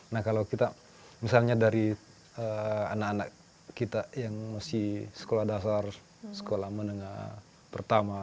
nah kalau kita misalnya dari anak anak kita yang masih sekolah dasar sekolah menengah pertama